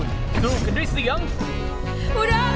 แชมป์กลุ่มนี้คือ